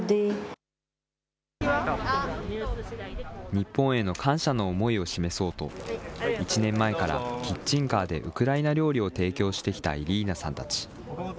日本への感謝の思いを示そうと、１年前からキッチンカーでウクライナ料理を提供してきたイリーナさんたち。